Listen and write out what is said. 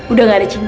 udah gak ada cinta